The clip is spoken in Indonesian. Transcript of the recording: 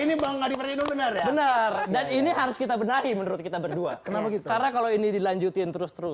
ini bang adi praydo benar benar dan ini harus kita benahi menurut kita berdua kenapa gitu karena kalau ini dilanjutin terus terus